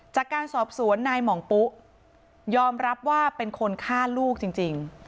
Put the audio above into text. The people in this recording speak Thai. จากการสอบสวนนายหม่องปุ๊ยอมรับว่าเป็นคนฆ่าลูกจริง